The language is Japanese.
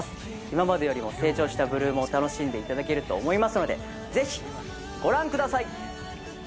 今までよりも成長した８ＬＯＯＭを楽しんでいただけると思いますのでぜひご覧ください！